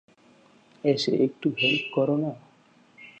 এসে একটু হেল্প করো না!